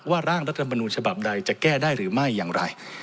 ร่างรัฐมนูญฉบับใดจะแก้ได้หรือไม่อย่างไร